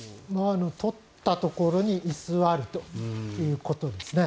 取ったところに居座るということですね。